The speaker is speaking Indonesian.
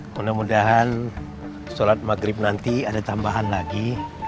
mudah mudahan sholat maghrib nanti ada tambahan lagi